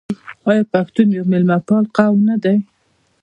آیا پښتون یو میلمه پال قوم نه دی؟